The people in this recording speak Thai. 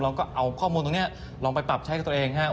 เราก็เอาข้อมูลตรงนี้ลองไปปรับใช้กับตัวเองครับ